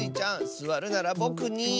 すわるならぼくに。